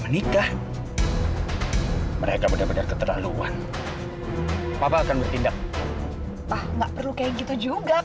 menikah mereka benar benar keterlaluan papa akan bertindak ah nggak perlu kayak gitu juga